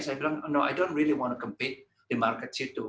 saya bilang tidak saya tidak ingin bergantung di pasar itu